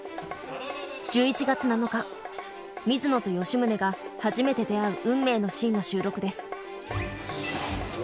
１１月７日水野と吉宗が初めて出会う運命のシーンの収録です。